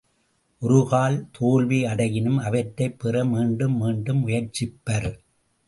ஒருக்கால் தோல்வி அடையினும், அவற்றைப் பெற மீண்டும் மீண்டும் முயற்சிப்பர்.